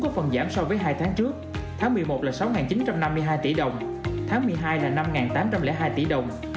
có phần giảm so với hai tháng trước tháng một mươi một là sáu chín trăm năm mươi hai tỷ đồng tháng một mươi hai là năm tám trăm linh hai tỷ đồng